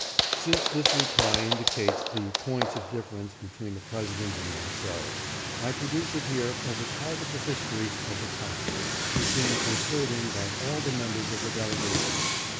Since this reply indicates the points of difference between the President and ourselves, I pro duce it here as a part of the history of the times, it be ing concurred in by all the members of the delegation.